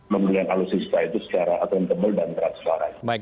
menggunakan alutsista itu secara akuntabel dan berat selarang